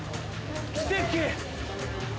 奇跡！